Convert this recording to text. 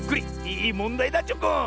いいもんだいだチョコン！